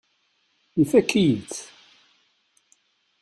Ifakk-iyi-tt.